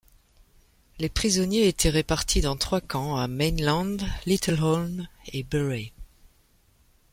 Les prisonniers étaient répartis dans trois camps à Mainland, Little Holm et Burray.